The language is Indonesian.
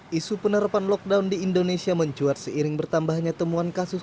hai isu penerapan lockdown di indonesia mencuat seiring bertambahnya temuan kasus